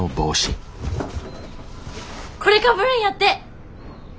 これかぶるんやって！